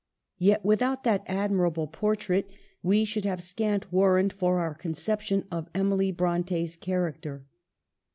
Yet without that admirable portrait we should have scant warrant for our conception of Emily Bronte's character.